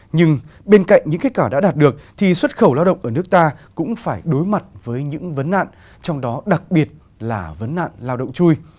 nhưng bên cạnh những kết quả đã đạt được thì xuất khẩu lao động ở nước ta cũng phải đối mặt với những vấn nạn trong đó đặc biệt là vấn nạn lao động chui